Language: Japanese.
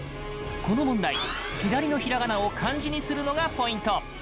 この問題、左のひらがなを漢字にするのがポイント！